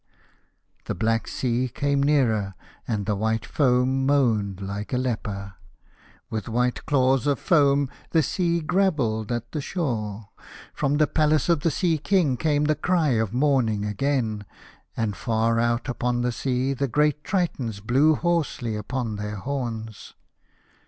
The black sea came nearer, and the white foam moaned like a leper. With white claws of foam the sea grabbled at the shore. From the palace of the Sea King came the cry of mourning again, and far out upon the sea the great Tritons blew hoarsely upon their horns.